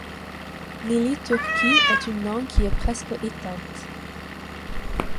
L'ili turki est une langue qui est presque éteinte.